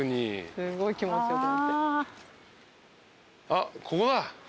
あっここだ。